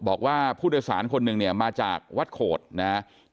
บอกว่าผู้โดยสารคนหนึ่งเนี่ยมาจากวัดโขดนะครับ